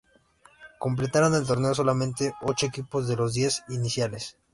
Completaron el torneo solamente ocho equipos de los diez iniciales.